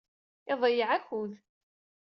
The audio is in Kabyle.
Iḍeyyeɛ akud.